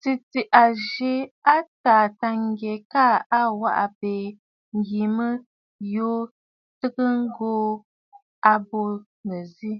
Tɨ̀tɨ̀ɨ̀ a jɨ a Taà Tâŋgyɛ kaa a waʼa mbɛ̀ɛ̀ yìi mə yu təə ghu aa bù ǹzi.